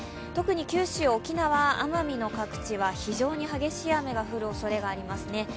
特に九州、沖縄、奄美の各地は非常に激しい雨が降るおそれがありますね。